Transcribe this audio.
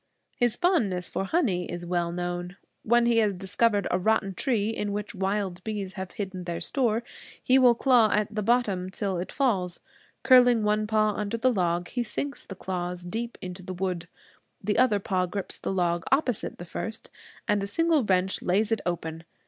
His fondness for honey is well known. When he has discovered a rotten tree in which wild bees have hidden their store, he will claw at the bottom till it falls. Curling one paw under the log he sinks the claws deep into the wood. The other paw grips the log opposite the first, and a single wrench lays it open.